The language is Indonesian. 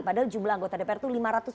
padahal jumlah anggota dpr itu